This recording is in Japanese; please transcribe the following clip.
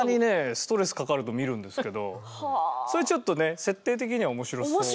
ストレスかかると見るんですけどそれちょっとね面白い。